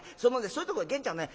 そういうとこゲンちゃんね